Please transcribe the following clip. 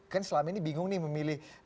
kami bingung nih memilih